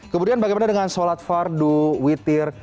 kemudian bagaimana dengan sholat fardu witir